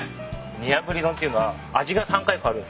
煮炙り丼っていうのは味が３回変わるんですよ。